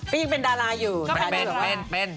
ปีเป็นดาราอยู่นะดาราดีหรือเปล่าเป็น